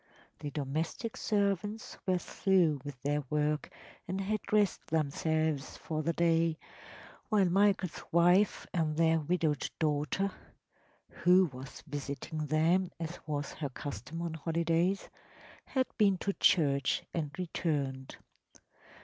The domestic servants were through with their work and had dressed themselves for the day, while Michael’s wife and their widowed daughter (who was visiting them, as was her custom on holidays) had been to church and returned.